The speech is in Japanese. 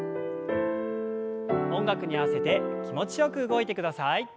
音楽に合わせて気持ちよく動いてください。